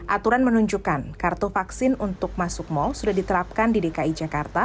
aturan menunjukkan kartu vaksin untuk masuk mal sudah diterapkan di dki jakarta